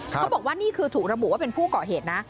เขาบอกว่านี่คือถูกระบุว่าเป็นผู้เกาะเหตุนะ